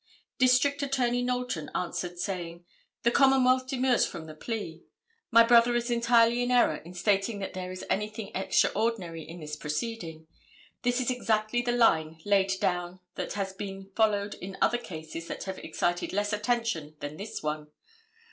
District Attorney Knowlton answered saying: "The commonwealth demurs from the plea. My brother is entirely in error in stating that there is anything extraordinary in this proceeding. This is exactly the line laid down that has been followed in other cases that have excited less attention than this one.